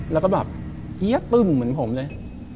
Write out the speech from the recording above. แล้วก็แบบเฮียตึ้มเหมือนผมเลย